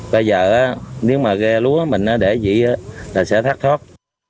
bây giờ nếu mà ghe lúa mình để gì là sẽ thắt thoát